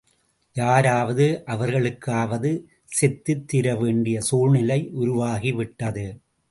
யாராவது அவர்களுக்காகவாவது செத்துத் தீர வேண்டிய சூழ்நிலை உருவாகி விட்டது.